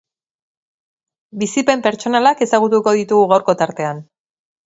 Bizipen pertsonalak ezagutuko ditugu gaurko tartean.